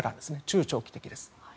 中長期的です。